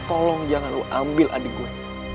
tolong jangan lu ambil adik gue